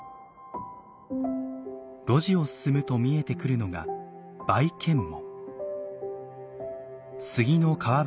露地を進むと見えてくるのが杉の皮